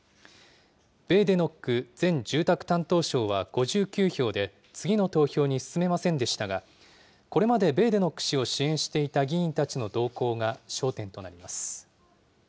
ベーデノック前住宅担当相は５９票で、次の投票に進めませんでしたが、これまでベーデノック氏を支援していた議員たちの動向が焦点となります。